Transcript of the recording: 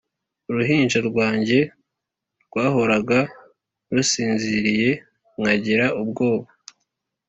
Uruhinja rwanjye rwahoraga rusinziriye nkagira ubwoba